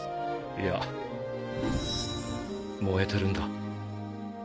いや燃えてるんだ。